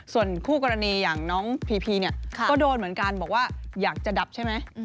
ส่วนคู่กรณีอย่างน้องพีพีเนี่ยก็โดนเหมือนกันบอกว่าอยากจะดับใช่ไหม